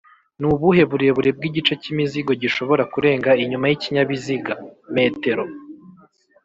Nubuhe burebure bw’igice cy’imizigo gishobora kurenga inyuma y’ikinyabiziga? m